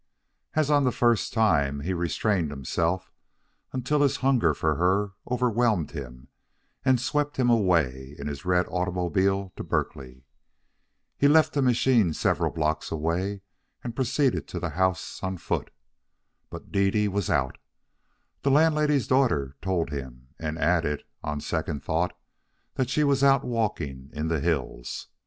As on the first time, he restrained himself until his hunger for her overwhelmed him and swept him away in his red automobile to Berkeley. He left the machine several blocks away and proceeded to the house on foot. But Dede was out, the landlady's daughter told him, and added, on second thought, that she was out walking in the hills.